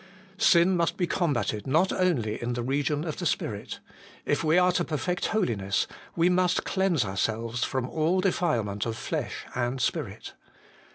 Sin must be combated not only in the region of the spirit : if we are to perfect holiness, we must cleanse ourselves from all defile ment of flesh and spirit.